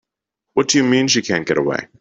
What do you mean she can't get away?